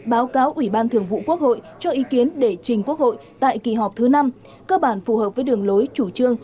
báo cáo ủy ban thường vụ quốc hội cho ý kiến để trình quốc hội tại kỳ họp thứ năm cơ bản phù hợp với đường lối chủ trương